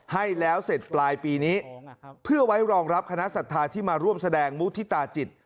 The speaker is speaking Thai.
ให้แล้วเสร็จปลายปีนี้เพื่อไว้รองรับคณะศรัทธาที่มาร่วมแสดงมุฒิตาจิต